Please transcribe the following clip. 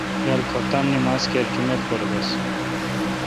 بیال کُھپتان نما ز کر جما ت پر گُس۔